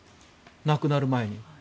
亡くなる前に。